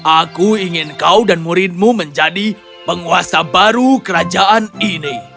aku ingin kau dan muridmu menjadi penguasa baru kerajaan ini